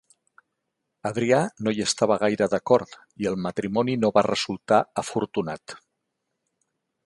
Adrià no hi estava gaire d'acord i el matrimoni no va resultar afortunat.